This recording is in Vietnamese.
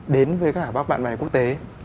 đến với các bạn bè quốc tế